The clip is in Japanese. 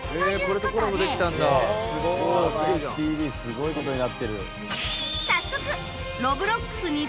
すごい事になってる。